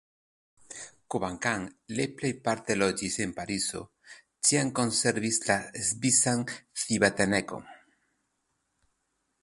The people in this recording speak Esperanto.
Kvankam le plejparte loĝis en Parizo, ĉiam konservis la svisan civitanecon.